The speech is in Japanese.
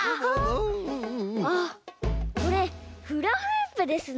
あっこれフラフープですね。